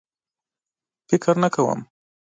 فکر نه کوم.